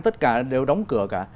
tất cả đều đóng cửa cả